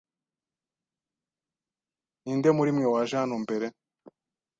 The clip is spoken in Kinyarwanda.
Ninde muri mwe waje hano mbere?